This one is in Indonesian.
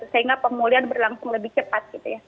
sehingga pemulihan berlangsung lebih cepat